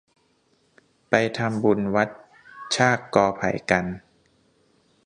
ไปทำบุญวัดชากกอไผ่กัน